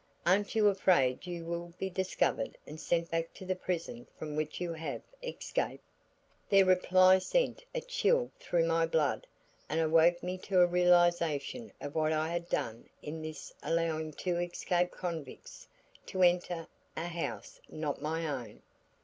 Aren't you afraid you will be discovered and sent back to the prison from which you have escaped?' Their reply sent a chill through my blood and awoke me to a realization of what I had done in thus allowing two escaped convicts to enter a house not my own.